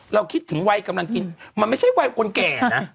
คิดถึงวัยกำลังกินมันไม่ใช่วัยคนแก่นะ